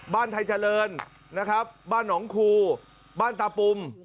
ไทยเจริญนะครับบ้านหนองคูบ้านตาปุ่ม